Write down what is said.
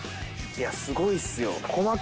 いやすごいっすよ。